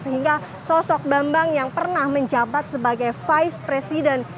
sehingga sosok bambang yang pernah menjabat sebagai vice president